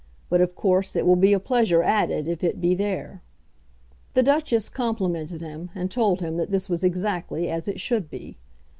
But of course it will be a pleasure added if it be there." The Duchess complimented him, and told him that this was exactly as it should be.